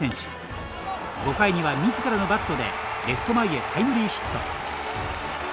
５回には自らのバットでレフト前へタイムリーヒット。